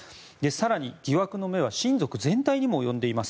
更に、疑惑の目は親族全体にも及んでいます。